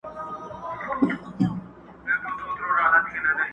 پر ملا کړوپ دی ستا له زور څخه خبر دی؛